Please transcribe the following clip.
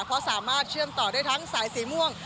เพราะสามารถเชื่อมต่อได้ทั้งสายสีม่วง